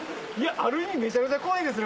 ある意味めちゃめちゃ怖いですね